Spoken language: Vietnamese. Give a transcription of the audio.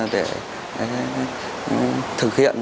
để thực hiện